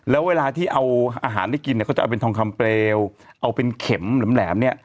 แล้วเวลาที่เอาอาหารได้กินเนี่ยก็จะเอาเป็นทองคำเปลวเอาเป็นเข็มแหลมเนี่ย